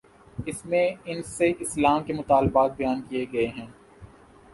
اس میں ان سے اسلام کے مطالبات بیان کیے گئے ہیں۔